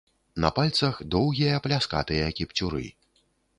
На пальцах доўгія пляскатыя кіпцюры.